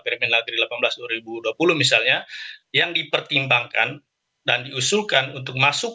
permen lagri delapan belas dua ribu dua puluh misalnya yang dipertimbangkan dan diusulkan untuk masuk